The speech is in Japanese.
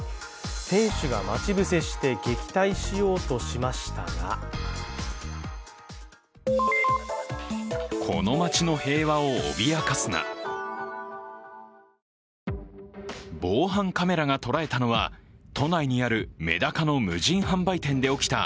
店主が待ち伏せして撃退しようとしましたが防犯カメラが捉えたのは都内にあるメダカの無人販売店で起きた